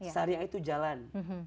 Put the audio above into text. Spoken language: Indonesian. syariah itu jalan